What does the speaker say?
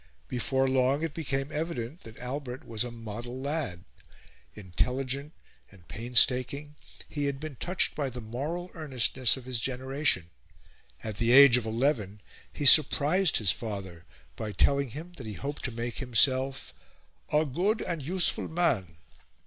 Before long it became evident that Albert was a model lad. Intelligent and painstaking, he had been touched by the moral earnestness of his generation; at the age of eleven he surprised his father by telling him that he hoped to make himself "a good and useful man."